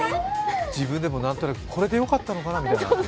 自分でも何となく、これでよかったのかな？と。